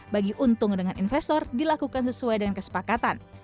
bagi untung dengan investor dilakukan sesuai dengan kesepakatan